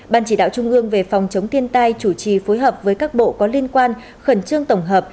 ban chỉ đạo trung ương về phòng chống thiên tai chủ trì phối hợp với các bộ có liên quan khẩn trương tổng hợp